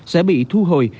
sẽ bị thu hồi